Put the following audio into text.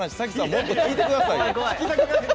もっと聞いてくださいよ。